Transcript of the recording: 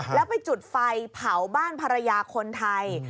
แล้วไปจุดไฟเผาบ้านภรรยาคนไทย